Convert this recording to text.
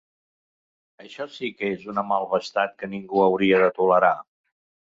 Això sí que és una malvestat que ningú hauria de tolerar.